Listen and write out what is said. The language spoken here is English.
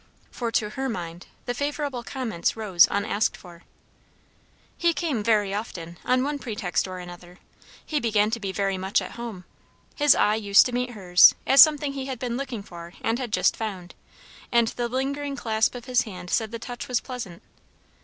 For to her mind the favourable comments rose unasked for. He came very often, on one pretext or another. He began to be very much at home. His eye used to meet her's, as something he had been looking for and had just found; and the lingering clasp of his hand said the touch was pleasant.